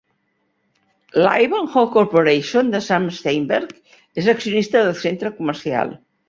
La Ivanhoe Corporation de Sam Steinberg és accionista del centre comercial.